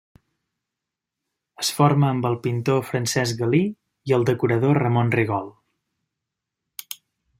Es forma amb el pintor Francesc Galí i el decorador Ramon Rigol.